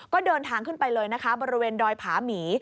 ก็เดินทางขึ้นไปเลยนะคะบริเวณดอยผาหมี